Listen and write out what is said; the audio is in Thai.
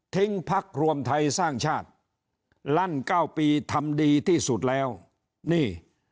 พักรวมไทยสร้างชาติลั่นเก้าปีทำดีที่สุดแล้วนี่